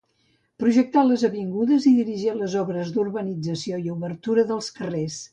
Projectà les avingudes i dirigí les obres d'urbanització i obertura de carrers.